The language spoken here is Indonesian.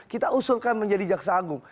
kita usulkan menjadi jaksa agung